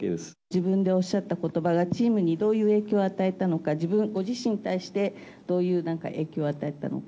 自分でおっしゃったことばがチームにどういう影響を与えたのか、自分、ご自身に対して、どういうなんか影響を与えたのか。